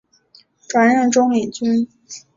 转任中领军。